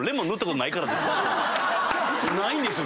ないんですよ